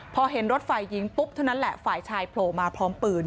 พอเห็นรถฝ่ายหญิงปุ๊บเท่านั้นแหละฝ่ายชายโผล่มาพร้อมปืน